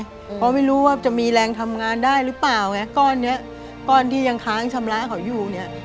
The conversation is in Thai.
เพราะไม่รู้ว่ามีแรงทำงานได้หรือเปล่าไงโก้นที่ยังค้างชำระของยู